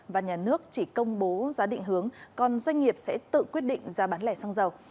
và nhà nước chỉ công bố giá định hướng còn doanh nghiệp sẽ tự quyết định giá bán lẻ xăng dầu